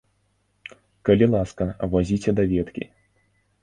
Калі ласка, вазіце даведкі.